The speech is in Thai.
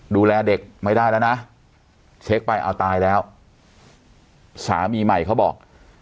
ดูแลเด็กไม่ได้แล้วนะเช็คไปเอาตายแล้วสามีใหม่เขาบอก